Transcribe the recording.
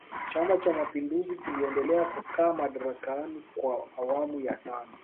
chama cha mapinduzi kiliendelea kukaa madarakani kwa awamu ya tano